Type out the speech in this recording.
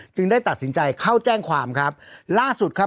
ได้ตัดสินใจเข้าแจ้งความครับล่าสุดครับ